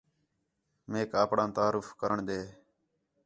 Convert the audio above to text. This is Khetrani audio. میک آپݨاں تعارف کرݨ ݙے